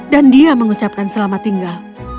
dan dia mengucapkan selamat tinggal